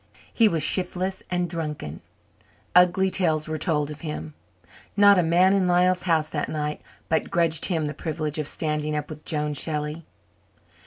He was shiftless and drunken; ugly tales were told of him. Not a man in Lyall's house that night but grudged him the privilege of standing up with Joan Shelley.